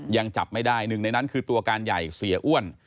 ยังจับไม่ได้หนึ่งในนั้นคือตัวการใหญ่เสียอ้วน